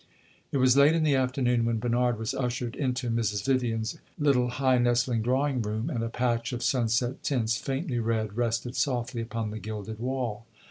It was late in the afternoon when Bernard was ushered into Mrs. Vivian's little high nestling drawing room, and a patch of sunset tints, faintly red, rested softly upon the gilded wall.